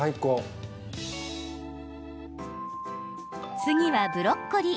次は、ブロッコリー。